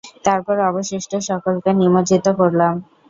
তারপর অবশিষ্ট সকলকে নিমজ্জিত করলাম।